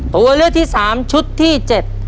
ตัวเลือกที่สามชุดที่เจ็ด